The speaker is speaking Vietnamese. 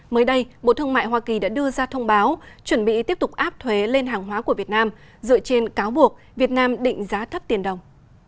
mới đây bộ thương mại hoa kỳ đã đưa ra thông báo chuẩn bị tiếp tục áp thuế lên hàng hóa của việt nam dựa trên cáo buộc việt nam định giá thấp tiền đồng